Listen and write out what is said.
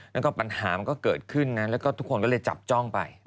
แล้วก็ปัญหามันก็เกิดขึ้นนะแล้วก็ทุกคนก็เลยจับจ้องไป